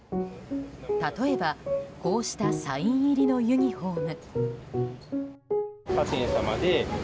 例えば、こうしたサイン入りのユニホーム。